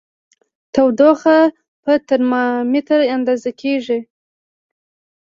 تودوخه په ترمامیتر اندازه کېږي.